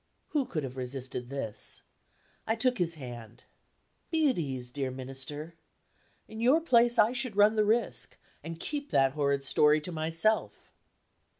Who could have resisted this? I took his hand: "Be at ease, dear Minister. In your place I should run the risk, and keep that horrid story to myself."